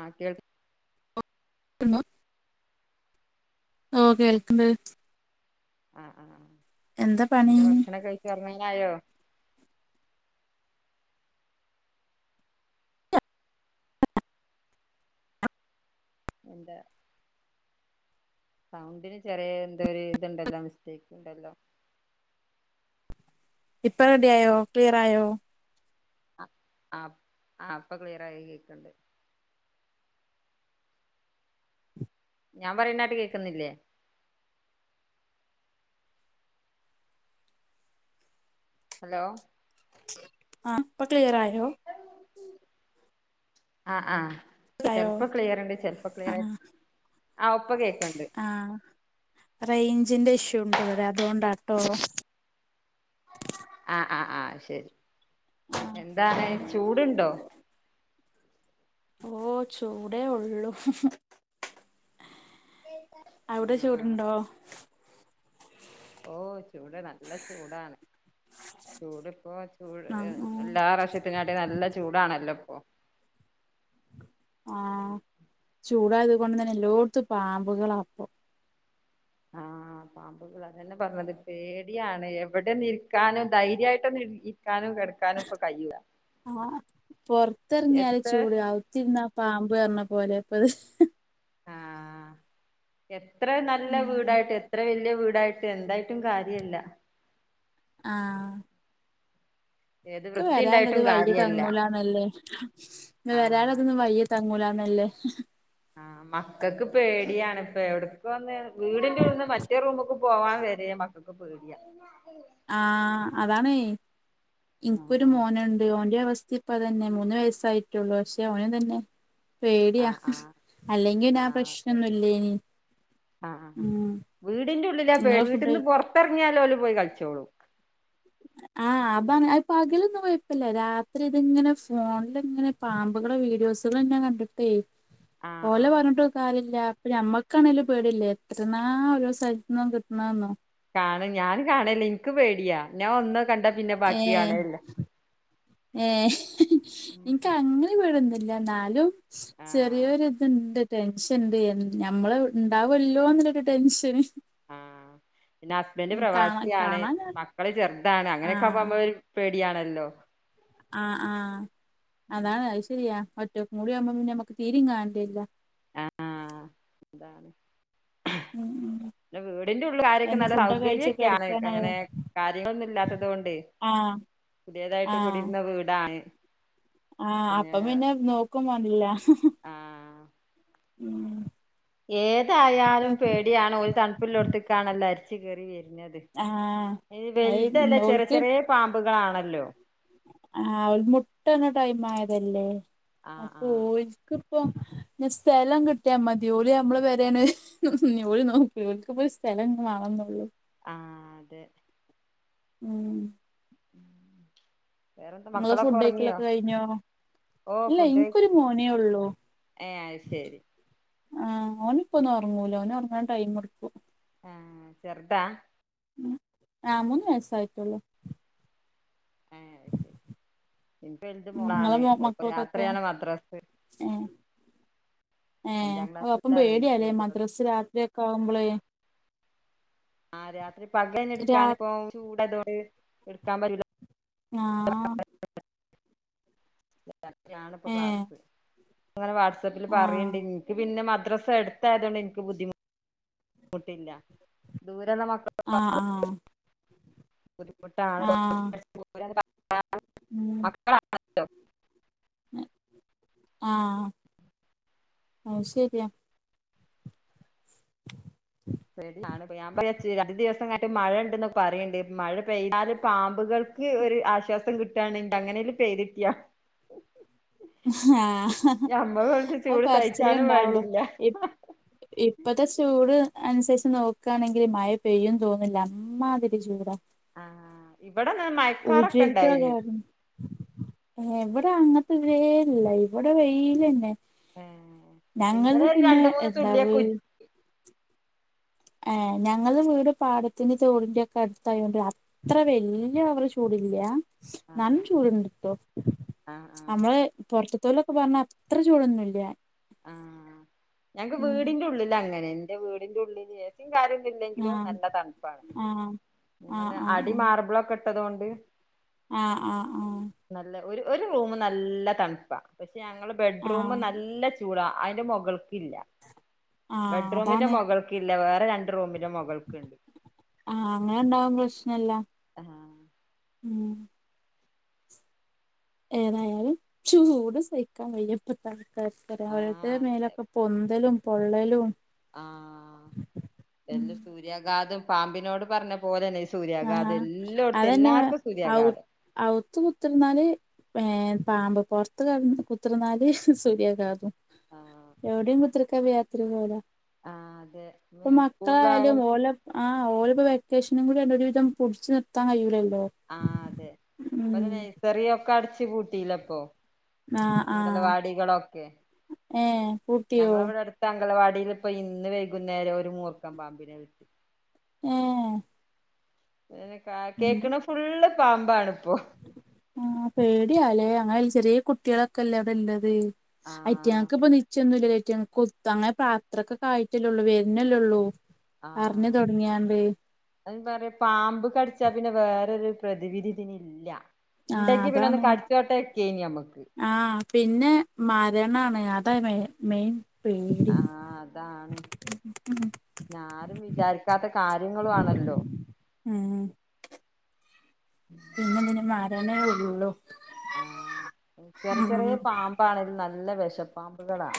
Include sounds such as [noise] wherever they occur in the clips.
ആഹ് കേ [unintelligible] ഓോ ഓഹ് കേൾക്ക്ണ്ട് ആഹ് ആഹ് എന്താ ഭക്ഷണം ഒക്കെ കഴിച്ചു എറങ്ങനായോ? എന്താ സൗണ്ടിന് ചെറിയ എന്തോ ഒരു ഇതുണ്ടല്ലോ മിസ്റ്റേക്ക് ഉണ്ടല്ലോ ഇപ്പൊ റെഡി ആയോ ക്ലിയറായോ ആഹ് ആഹ് ആ ഇപ്പൊ ക്ലിയർ ആയി കേക്ക്ണ്ട് ഞാൻ പറയുന്നെ ആട്ട് കേൾക്കുന്നില്ലേ ഹലോ ആഹ് പ്പ ക്ലിയറായോ ആഹ് ആഹ് യോ ചെലപ്പോ ക്ലിയറുണ്ട് ചെലപ്പോ ആ ക്ലിയറായി ആഹ് ഇപ്പ കേൾക്ക്ണ്ട് ആഹ് റേഞ്ചിന്റെ ഇഷ്യൂ ഇണ്ട് ഇവിടെ അതോണ്ടാട്ടോ ആഹ് ആഹ് ആഹ് ശരി എന്താണ് ഉം ചൂട്ണ്ടോ ഓഹ് ചൂടേ ഒള്ളൂ അവിടെ ആഹ് ചൂടുണ്ടോ ഓഹ് ചൂട് നല്ല ചൂടാണ് ചൂടിപ്പോ ച് ചൂട് ആ എഹ് ആ എല്ലാ പ്രാവശ്യത്തിൻകാട്ടി നല്ല ചൂടാണല്ലോ ഇപ്പൊ ആഹ് ചൂടായത് കൊണ്ട് തന്നെ എല്ലോട്ത്തും പാമ്പുകളാ ഇപ്പോ ആഹ് പാമ്പുകളാ അതന്നെ ഇ പ്പറഞ്ഞത് പേടിയാണ് എവിടെ ഇരിക്കാനും ധൈര്യായിട്ടൊന്ന് ഇരി ഇരിക്കാനും കെടക്കാനും ഇപ്പ കഴിയൂല്ല ആഹ് പൊറത്തറങ്ങിയാല് എത്ര ചൂട് ഔത്തിരുന്ന പാമ്പ് പറഞ്ഞ പോലെ ഇപ്പത് ആഹ് എത്ര നല്ല ഉം വീടായിട്ട് എത്ര വല്യ വീടായിട്ട് എന്തായിട്ടും കാര്യല്ല ആഹ് ഏത് ക്ക് വൃത്തി വരാള്ളത് ഉണ്ടായിട്ടും വയീ കാര്യല്ല തങ്ങൂലാന്നല്ലേ ആഹ് ന്നെവരാള്ളതൊന്നും അതെ വയീ തങ്ങൂലാന്നല്ലേ ആഹ് മക്കക്ക് പേടിയാണ്പ്പെ എവ്ട്ക്ക് ഒന്ന് വീടിൻ്റുള്ളിന്ന് മറ്റേ റൂമ്ക്ക് പോവാൻ വരെ മക്കക്ക് പേടിയ ആഹ് അതാണേ ഇൻക്കൊരു ആഹ് മോനുണ്ട് ഓന്റെ അവസ്ഥിം ഇപ്പ തന്നെ മൂന്ന് വയസ്സായിട്ടുള്ളൂ പക്ഷെ അവനുംതന്നെ പേട്യാ ആഹ് ആഹ് അല്ലെങ്കി ആഹ് പിന്നെ ആ അതെ പ്രശ്‌നൊന്നില്ലേനിം ആഹ് ആഹ് ആഹ് വീടിൻ്റെ ഉള്ളില നിങ്ങളെ പേടി ഫുഡ് കഴി വീട്ടിന്ന് പൊറത്തെറങ്ങിയാല് ഓല് പോയി കളിച്ചോളും ആഹ് അബക പകലൊന്നും കൊയപ്പില്ല രാത്രി ഇതിങ്ങനെ ഫോണില് ഇങ്ങനെ പാമ്പുകളെ വീഡിയോസുകളെന്നെ കണ്ടിട്ടേ ആഹ് ഓലെ ആഹ് പറഞ്ഞിട്ട് കാര്യല്ല അപ്പൊ ഞമ്മക്കാണെലും പേട്യല്ലേ എത്രണ്ണാ ഓരോ സ്ഥലത്തുന്നും കിട്ടണെന്നോ കാണും ഞാൻ കാണല്ല ഇനിക്ക് പേടിയാ ഞാൻ ഒന്ന് കണ്ട പിന്നെ ബാക്കി ഏഹ് കാണലില്ല ഏഹ് എനിക്ക് അങ്ങനെ പേട്യൊന്നില്ല ന്നാലും ആഹ് ചെറിയൊരു ഇതുണ്ട് ടെൻഷൻ ഇണ്ട് എ ഞമ്മള് ഇണ്ടാവല്ലോന്നുള്ളരു ടെൻഷന് ആഹ് പിന്നെ ഹസ്ബൻഡ് ഉം കാണാൻ പ്രവാസിയാണ് കാണാന് മക്കള് ചെറുതാണ് അങ്ങനെയൊക്കെ ആമ്പോ ആഹ് അമ്മള് ഒരു പേടിയാണല്ലോ ആഹ് ആഹ് അതാണ് അത് ശരിയാ ഒറ്റക്കും കൂടി ആവുമ്പോ പിന്നെ മ്മക്ക് തീരെം കാണണ്ടി വര്യല്ല ആഹ് ആഹ് അതാണ് ഉം ഉം പിന്നെ വീടിന്റെറെ ഉള്ള് കാര്യൊക്കെ എന്താ നല്ല ഫുഡൊക്കെ കഴിച്ച് സൗകര്യൊക്കെയാണ് കെടക്കാനായോ അങ്ങനെ കാര്യങ്ങളൊന്നും ഇല്ലാത്തത് കൊണ്ട് ആഹ് പുതിയതായിട്ട് ആഹ് കുടിരുന്ന വീടാണ് ആഹ് അപ്പം പിന്നെ നോക്കും വേണ്ടി വരില്ല ആഹ് ഏതായാലും പേടിയാണ് ഓര് തണുപ്പിലൊടുത്തക്കാണല്ലോ അരിച്ച് കേറി വരണത് ആഹ് അയിന് വലുതല്ല അത് ചെറിയ ഓൽക്ക് ചെറിയ പാമ്പുകളാണല്ലോ ആഹ് അവര് മുട്ടടണ ടൈം ആയതല്ലേ ആഹ് അപ്പോ ആഹ് ഓൽക്ക് ഇപ്പൊ ഞ് സ്ഥലം കിട്ടിയാ മതി ഓല് നമ്മള് പെരാണ് ഉംഹും ഓര് നോക്കൂല ഓൽകിപ്പോ സ്ഥലം വാണംന്നുള്ളൂ ആഹ് അതെ ഉം വേറെന്താ ഇങ്ങള മക്കളൊക്കെ ഉറങ്ങിയോ ഫുഡ്യ്ക്കലൊക്കെ കഴിഞ്ഞോ ഓ ഇല്ല ഫുഡ് ഇൻക്കൊരു മോനേ ഉള്ളൂ ഏഹ് അത് ശരി ആഹ് ഓനിപ്പോ ഒന്നും ഒറങ്ങൂല ഓന് ഒറങ്ങാൻ ടൈം എടുക്കും ആഹ് ചെറുതാ ഉം ആഹ് മൂന്ന് വയസായിട്ടുള്ളൂ ഏഹ് അയ്ശരി ഇൻക്ക് വൽത് ഉം ഇങ്ങളെ മോളാണ് മോ ഓൾക്ക് മക്കൾക്കൊക്കെ രാത്രിയാണ് മദ്രസ്. ഏഹ് ഏഹ് അഞ്ചാം അ അപ്പം ക്ലാസ്സിലാ പേടിയാല്ലേ വലുത് മദ്റസ് രാത്രി കാവുമ്പള്. ആഹ് രാത്രി രാ പകലെടുക്കാൻ ഇപ്പോ ചൂടായതോണ്ട് എടുക്കാൻ പറ്റൂല. ആഹ് രാത്രിയാണ് ഇപ്പോ ഏഹ് ക്ലാസ്സ് അങ്ങനെ വാട്സആപ്പില് ആഹ് പറയണ്ടി പിന്നെ മദ്രാസ എടുത്തയതൊണ്ട് എനിക്ക് ബുദ്ധിമുട്ടില്ല ദൂരെള്ള മക്കൾ ആഹ് ആഹ് ബുദ്ധിമുട്ടാണ്' ആഹ് ' [inaudible] ഉം ആഹ് അയ്ശരിയാ. ' [inaudible] ' രണ്ട് ദിവസം ങ്ങട്ട് മഴ ഉണ്ടെന്നൊക്കെ പറയണ്ട്. മഴ പെയ്താല് പാമ്പുകൾക്ക് ഒരു ആശ്വാസം കിട്ടും. ണെങ്ക അങ്ങനെലും പേയ്ത് ട്ടൊ. ആഹ് ഞമ്മ കുറച്ച് അത് ചൂട് പറച്ചിലേ സഹിച്ചാലും ഉണ്ടാവുള്ളൂ. വേണ്ടില്ല ഇപ്പത്തെ ചൂട് അനുസരിച്ച് നോക്കുകയാണെങ്കിൽ മഴ പെയ്യുന്ന് തോന്നില്ല അമ്മാതിരി ചൂടാ. ആഹ് ഇവിടെന്ന മഴക്കാറൊക്കെ ഇണ്ടായിന്. ഏഹ് ഇവിടെ അങ്ങത്തെ ഇതേ ഇല്ല, ഇവിടെ വെയിലന്നെ ഞങ്ങൾത് ഇന്നലെ ഒരു പിന്നെ രണ്ട് മൂന്ന് എന്താ വീ തുള്ളിയൊക്കെ ഉ ഏഹ് ഞങ്ങളെ വീട് പാടത്തിന്റിം തോടിന്റിം ഒക്കെ അട്ത്തായാേണ്ട് അ അത്ര വല്യ ഓവറ് ചൂട്ല്ലാ ന്നാലും ആഹ് ചൂട്ണ്ട്ട്ടോ ആഹ് ആഹ് അമ്മള് പൊർത്ത്തോലൊക്കെ പറഞ്ഞ അത്ര ചൂടൊന്നുല്ല ആഹ് ഞങ്ങക്ക് ഉം വീട്ന്റെ ഉള്ളിലങ്ങെനെ ന്റെ വീടിന്റെ ഉള്ളില് എ സിം കാര്യാെന്നും ഇല്ലെങ്കിലും ആഹ് നല്ല തണ്പ്പാണ് ആഹ് ആഹ് ങ്ങടെ ആഹ് അടി മാർബിളൊക്കെ ഇട്ടതോണ്ട് ആഹ് ആഹ് ആഹ് നല്ല ഒര് ഒര് റൂമ് നല്ല തൺപ്പാ പക്ഷേ ഞങ്ങളെ ബെഡ്റൂമ് ആഹ് നല്ല ചൂടാ അയ്ന്റെ മാെകൾക്കില്ലാ ആഹ് ബെഡ്റൂമിന്റെ അതാണ് മൊകൾക്കില്ല വേറെ രണ്ട് റൂമിന്റെ മൊകൾക്ക്ണ്ട് ആഹ് അങ്ങനെണ്ടാവും പ്രശ്നല്ല ആഹ് ഉം ഏതായാലും ചൂട് സഹി ക്കാൻ കഴിയില്ല ഇപ്പത്തൽക്കാൽത്ത് ആഹ് ഓരോര്ത്തെരെ അതെ മേലൊക്കെ പൊന്തലും പൊള്ളലും ആഹ് എല്ലും സൂര്യാഘാതും പാമ്പിനോട് പർഞ്ഞ പോലെന്നെ ഇസ് സൂര്യാഘാതം ആഹ് എല്ലോട്ത്തും എല്ലാര്ക്കും സൂര്യാഘാതം അവ്ത്ത് കുത്തര്ന്നാല് ഏഹ് പാമ്പ് പൊർത്ത് കട കുത്ത്ർന്നാല് സൂര്യാഘാതും ആഹ് എവിടെയും കുത്തർക്കാൻ വെയ്യാത്തൊരു കോലാ ആഹ് അതെ പ്പം മക്കളായാലും സ്കൂളിലായാലും ഓലാെ ആഹ് ഓല്‌പ്പ വെക്കേഷനും കൂട്യട് ര്‌വിധം പുടിച്ച് നിർത്താൻ കയ്യൂലല്ലോ ആഹ് അതെ ഇപ്പ താ നെയ്സറിയൊക്കെ അടച്ച് പൂട്ടിലെപ്പോ ആഹ് ആഹ് അങ്കലവാടികളൊക്കെ ഏഹ് പൂട്ടിയോ ഞങ്ങെളെവിടെട് ത്ത അങ്കലവാടീലിപ്പം ഇന്ന് വെയ്കുന്നേരം ഒരു മൂർക്കം പാമ്പിനെ കിട്ടി ഏഹ് [unintelligible] കാ ഉം കേക്ക്ണെ ഫുള്ള് പാമ്പാണ്പ്പോ ആഹ് പേട്യാലേ അങ്ങനെല്ല ചെറ്യീ കുട്ട്യേളൊക്കെല്ലേ അവ്ടെല്ലെത് അയ് ആഹ് റ്റാങ്ങക്ക്പ്പം നിച്ചാെന്നുല്ലല്ലോ അയ്റ്റെങ്ങളെ കൊത്തും അങ്ങെനെ പ്രാ അത്രക്കൊക്കെ ആയിട്ടല്ലേ ഒള്ളൂ വെര്ന്നെല്ലെള്ളൂ അർഞ്ഞ് താെട്ങ്ങ്യാണ്ട് [unintelligible] പറ്യാ പാമ്പ് കട്ച്ചാ പിന്നെ വേറൊരു പ്രതിവിധി ഇതിന് ഇല്ലാ ആഹ് ഇണ്ടെങ്കി പിന്നെ ഒന്ന് അതാണ് കട്ച്ചോട്ടെക്കേനി അമ്മക്ക് ആഹ് പിന്നെ മരണാണ് അതാ മെ മെയിൻ പേടി ആഹ് അതാണ് ഞ്ഞാരും വിചാരിക്കാത്ത കാര്യങ്ങളും ആണല്ലോ ഏഹ് പിന്നെ തിന് മരണെ ഒള്ളൂ ആഹ് ചെറ് ചെറ്യേ പാമ്പാണേലും നല്ല വെഷപ്പാമ്പ്കളാ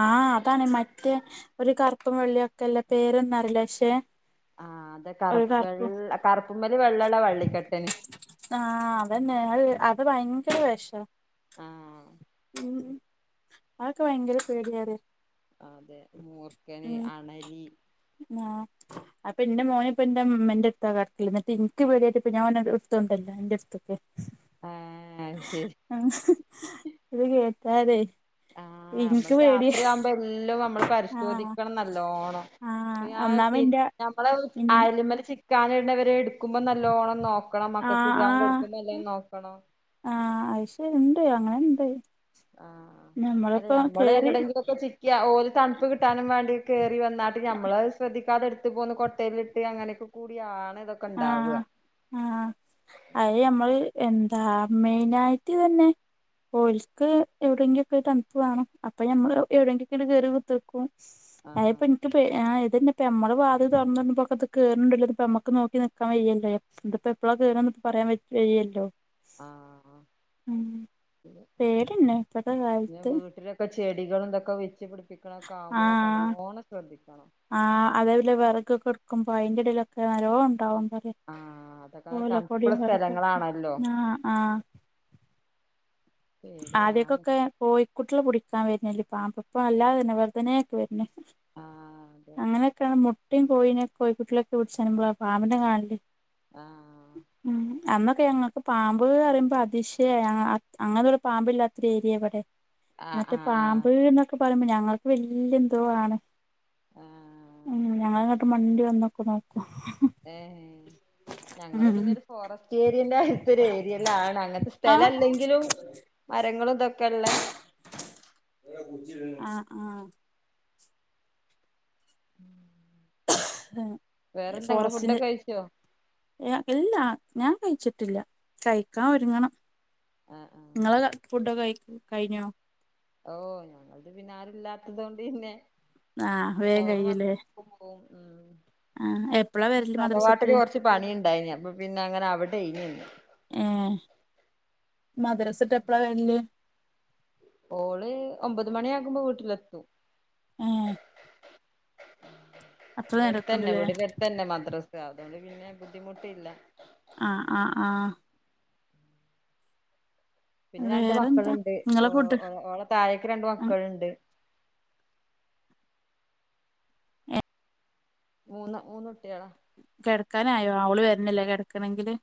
ആഹ് അതാണെ മറ്റേ ഒര് കറ്പ്പും വെള്ളിം ഒക്കെല്ലെ പേരൊന്നും അറീലാ ക്ഷെ ആഹ് അതെ കറ് വെൾ കറ്പ്പ്മ്മല് വെള്ളള്ള വള്ളിക്കെട്ട് ആഹ് അതെന്നെ അയ് അത് ഭയങ്കര വെഷാ ആഹ് ഉം അതൊക്കെ ഭയങ്കര പേട്യാണ് മൂർക്കന് അണലി ഞാ അപ്പ ഇന്റെ മോന്പ്പൊ ഇന്റെമ്മെന്റെട്ത്താ കട്ക്കല് ന്ന്ട്ട് ഇൻക്ക് പേട്യാട്ട് ഇപ്പൊ ഞാനാേനെട് ഇട്ത്താെണ്ടര്ലാ ഇന്റെട്ത്ത് ഏഹ് അയ്ശെര് ആഹ് ത് കേട്ടാരെ ആഹ് ഞമ്മള് രാത്രിയാവ്മ്പോ എല്ലൊം അമ്മള് ആഹ് പരിശോധിക്കണം നല്ലോണം ആഹ് ഒന്നാമെ [inaudible] ഇന്റെ ഞമ്മള് ഇൻ ആയല്മ്മല് ചിക് ക്കാനേണ്ടെവെരെ ഇട്ക്കുമ്പം നല്ലോണം നോക്കണം മക്കക്ക് ആഹ് ഇടാൻ ആഹ് കൊട്ക്കുമ്പം ല്ലോം നോക്കണം ആഹ് അയ്ശെ ഇണ്ട് അങ്ങെനെണ്ട് ആഹ് ആഹ് അതെ ഞമ്മള് എവിടെങ്കിലും പ്പ ചിക്ക്യാ ഓല് തൺപ്പ് കിട്ടാനും മാണ്ടി കേറി വന്നാട്ട് ഞമ്മളത് ശ്രെദ്ധിക്കാതെട്ത്ത് പോന്ന് കൊട്ടേല് ഈ അങ്ങനൊക്കെ കൂടിയാണ് ഇതൊ ആഹ് ആഹ് അഹ് ഞമ്മള് എന്താ മെയിനായിട്ട്തെന്നെ ഓൽസ്ക്ക് എവിടെങ്കിലോക്കെ തണ്പ്പ് വേണം, അപ്പൊ ഞമ്മള് എവിടെങ്കിക് കേറി [unintelligible] അഹ്പ്പൊ ആഹ് ഇൻക്ക്പ്പോ ആഹ് ഇതന്നെ പ്പോ മ്മള് വാതില് തുറന്നിട്മ്പോക്ക് അത് കേറണുണ്ടേലത് പ്പ മ്മക്ക് നോക്ക് ക്കി നിക്കാൻ വയ്യല്ലോ, ഇത്‌പ്പോ എപ്പളാ കേറാന്ന് പറയാൻ പറ്റ് കഴിയില്ലല്ലോ ആഹ് ആഹ് ഉം പിന്നെ വീട്ടിലൊക്കെ ചെടികളും ഇതൊക്കെ വെച്ചു പിടിപ്പിക്ക ളൊക്കെ ആമ്പൊളെക്കെ ആഹ് നല്ലോണം ശ്രദ്ധിക്കണം ആഹ് അതേലെ വിറകൊക്കെടുക്ക്മ്പോ അയിന്റെടെലൊക്കെ നല്ലോണോണ്ടാവും പറയാ ആഹ് അതൊക്കെ ഓലകൊടിം തണുപ്പുള്ള വേറെകും സ്ഥലങ്ങളാണല്ലോ ആഹ് ആഹ് പേടിയാണ് ആദ്യക്കൊക്കെ കൊയിക്കുട്ട്യളെ പുടിക്കാ വര്നില്ലേ പാമ്പ്, പ്പോ അല്ലാതന്നെ വെറുതെനെ പ്പൊ വര്ണ്, ആഹ് അതെ അങ്ങനെക്കെ മുട്ട മുട്ടേം കോഴിനേം കോഴിക്കുട്ടികളേം ക്കെ പിടിച്ചിട്ടാ [unintelligible] പാമ്പിനെ കാണു ആഹ് ഉം അന്നൊക്കെ ഞങ്ങക്ക് പാമ്പ് ന്ന് പറയുമ്പോ അതിശയാ അ അങ്ങനൊ പാമ്പില്ലാത്തൊര് ഏരിയാ വ്ടെ, ആഹ് എന്നിട്ട് ആഹ് ആഹ് പാമ്പ് ന്ന് ക്കെ പറയുമ്പോ ഞങ്ങൾക്ക് വല്ല്യന്തോ ആണ്, ആഹ് ഞങ്ങള് മണ്ടി വന്നൊക്കെ നോക്കും ഏഹ് ഏഹ് ഞ ഞങ്ങള് ഉം പിന്നെ ഒരു ഫോറസ്റ്റ് ഏരിയന്റെ ത്തെരു ഏരിയേലാണ്, അങ്ങനത്തെ സ്ഥലം ആഹ് അല്ലെങ്കിലും മരങ്ങളും ഇതൊക്കെള്ള ആഹ് ആഹ് ഉം ഫോറസ്റ്റിന് കഴിച്ചോ ഇല്ലാ ഞാൻ കഴിച്ചിട്ടില്ല, കഴിക്കാൻ ഒരുങ്ങണം ആഹ് ആഹ് ങ്ങള് ഫുഡൊക്കെ കയ് കയിഞ്ഞോ ഓഹ് ഞങ്ങൾക്ക് പിന്നെ ആരുല്ലാത്തതോണ്ട് പിന്നെ ആഹ് വേഗം മോള് കഴിയൂലേ മാത്രം സ്കൂള്ക്ക് പോകും ആഹ് ആഹ് എപ്പളാ വരല് മദ്രസ തറവാട്ടില് വിട്ട് കുറച്ച് പണി ഉണ്ടായിന്നു, അപ്പ പിന്നെ അങ്ങനെ അവിടെയ് ഞ്ഞു ഏഹ് മദ്രസ്ട്ട് എപ്പളാ വരല് ഓള് ഒമ്പത് മണിയാകുമ്പോ വീട്ടിലെത്തും ആഹ് അത്ര ഇവിടെ അടുത്തന്നെ, നേരൊക്കെണ്ട്ല്ലേ വീടിന്റെ അടുത്ത് തന്നെ മദ്രസ, അതുകൊണ്ട് പിന്നെ ബുദ്ധിമുട്ടില്ല ആഹ് ആഹ് ആഹ് പിന്നെ രണ്ട് വേറെന്താ മക്കളുണ്ട്, ഓ നിങ്ങളെ ഫുഡ് ഓളെ താഴേക്ക് രണ്ട് മക്കളുണ്ട് മൂന്ന് മൂന്ന് കുട്ടികളാ കെടക്കാനായോ അവള് വരണല്ലേ കെടക്കണെങ്കില്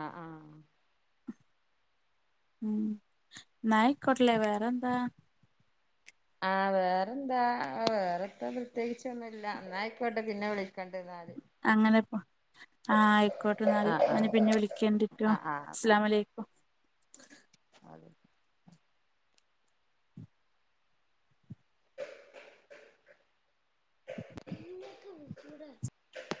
ആഹ് ആഹ് ഉം ന്നാ ആയ്കൊട്ടല്ലേ, വേറെന്താ ആഹ് വേറെന്താ, വേറെന്താ പ്രത്യേകിച്ച് ഒന്നും ഇല്ല. അന്നായിക്കോട്ടെ പിന്നെ വിളിക്കേണ്ടിന്നാല് അങ്ങനെപ്പോ ആഹ് ആയിക്കോട്ടെ ന്നാല്. ആഹ് ഞാന് പിന്നെ വിളിക്കേണ്ടിട്ടോ ആഹ് അസലാമുഅലൈ അതെ ഇ തട [unintelligible]